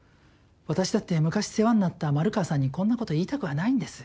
私だって昔世話になった丸川さんにこんなこと言いたくはないんです。